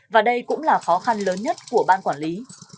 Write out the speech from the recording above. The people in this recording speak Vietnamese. và đây cũng là khó khăn lớn nhất của ban quản lý